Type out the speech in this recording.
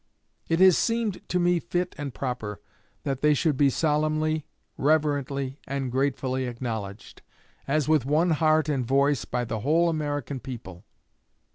It has seemed to me fit and proper that they should be solemnly, reverently, and gratefully acknowledged, as with one heart and voice, by the whole American people.